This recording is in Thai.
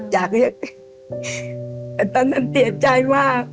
แต่ตอนนั้นเสียใจมาก